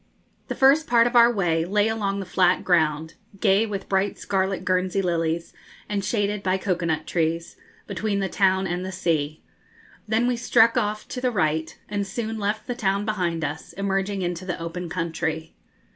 The first part of our way lay along the flat ground, gay with bright scarlet Guernsey lilies, and shaded by cocoa nut trees, between the town and the sea. Then we struck off to the right, and soon left the town behind us, emerging into the open country.